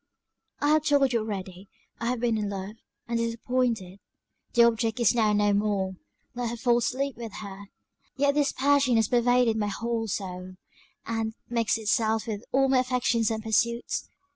"I have told you already I have been in love, and disappointed the object is now no more; let her faults sleep with her! Yet this passion has pervaded my whole soul, and mixed itself with all my affections and pursuits.